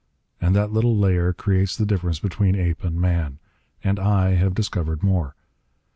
And that little layer creates the difference between ape and man. And I have discovered more.